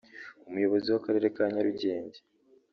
Umuyobozi w’ Akarere ka Nyarugenge